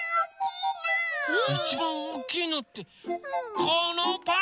いちばんおおきいのってこのパン？